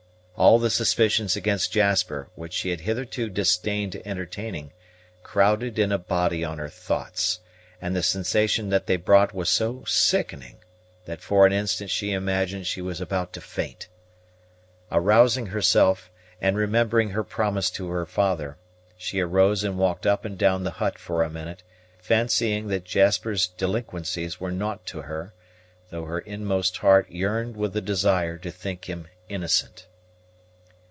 All the suspicions against Jasper, which she had hitherto disdained entertaining, crowded in a body on her thoughts; and the sensation that they brought was so sickening, that for an instant she imagined she was about to faint. Arousing herself, and remembering her promise to her father, she arose and walked up and down the hut for a minute, fancying that Jasper's delinquencies were naught to her, though her inmost heart yearned with the desire to think him innocent.